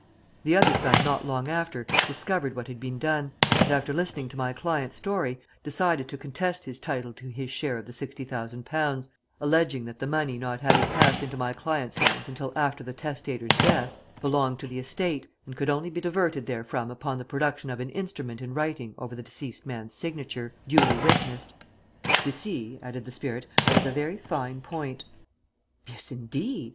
"The other son not long after discovered what had been done, and after listening to my client's story, decided to contest his title to his share of the sixty thousand pounds, alleging that the money not having passed into my client's hands until after the testator's death, belonged to the estate, and could only be diverted therefrom upon the production of an instrument in writing over the deceased man's signature, duly witnessed. You see," added the spirit, "that was a very fine point." "Yes, indeed!"